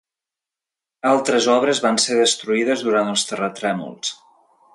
Altres obres van ser destruïdes durant els terratrèmols.